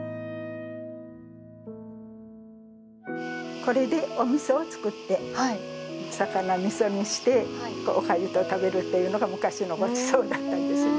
これでお味噌を作って魚味噌にしておかゆと食べるっていうのが昔のごちそうだったんですね